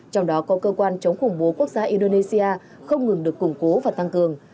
trong đó có cơ quan chống khủng bố quốc gia indonesia không ngừng được củng cố và tăng cường